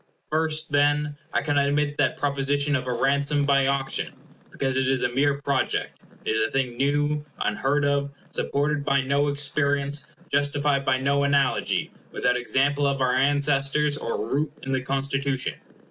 First, then, I cannot admit that propo sition of a ransom by auction; because it is a mere project. It is a thing new, unheard of; supported by no experience; justified by no analogy; without example of our ancestors, or root in the Constitution.